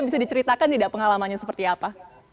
bisa diceritakan tidak pengalamannya seperti apa